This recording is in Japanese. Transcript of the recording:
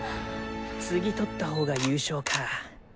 次取った方が優勝か。